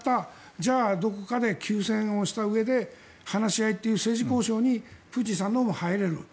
じゃあどこかで休戦をしたうえで話し合いっていう政治交渉にプーチンさんのほうも入れる。